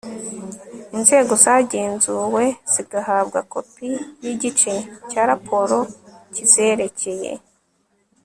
inzego zagenzuwe zigahabwa kopi y'igice cya raporo kizerekeye